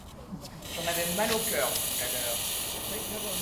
J’en avais mal au cœur, tout à l’heure.